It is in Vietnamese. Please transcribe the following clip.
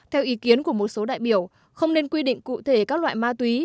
theo ý kiến của một số đại biểu không nên quy định cụ thể các loại ma túy